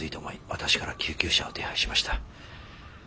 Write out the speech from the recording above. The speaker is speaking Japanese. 私から救急車を手配しました。